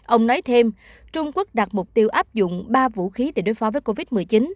ông nói thêm trung quốc đạt mục tiêu áp dụng ba vũ khí để đối phó với covid một mươi chín